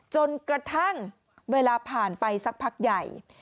จนกระทั่งเวลาผ่านไปสักพักใหญ่